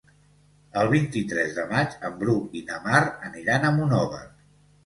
El vint-i-tres de maig en Bru i na Mar aniran a Monòver.